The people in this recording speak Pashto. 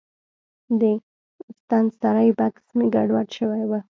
د ستنسرۍ بکس مې ګډوډ شوی و.